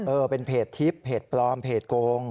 เออเป็นเพจทิพย์เพจปลอมเพจโกง